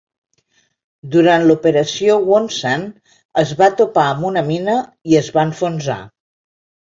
Durant l'Operació Wonsan es va topar amb una mina i es va enfonsar.